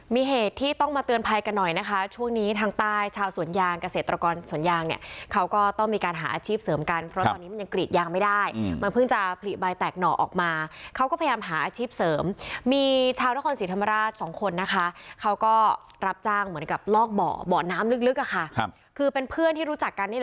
มีเหตุที่ต้องมาเตือนภัยกันหน่อยนะคะช่วงนี้ทางใต้ชาวสวนยางเกษตรกรสวนยางเนี่ยเขาก็ต้องมีการหาอาชีพเสริมกันเพราะตอนนี้มันยังกรีดยางไม่ได้มันเพิ่งจะผลิใบแตกหน่อออกมาเขาก็พยายามหาอาชีพเสริมมีชาวนครศรีธรรมราชสองคนนะคะเขาก็รับจ้างเหมือนกับลอกเบาะน้ำลึกอะค่ะครับคือเป็นเพื่อนที่รู้จักกัน